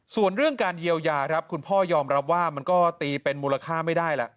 ส่วนเรื่องการเยียวยาครับคุณพ่อยอมรับว่ามันก็ตีเป็นมูลค่าไม่ได้แล้ว